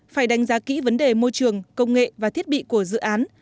phải đánh giá kỹ vấn đề môi trường công nghệ và thiết bị của dự án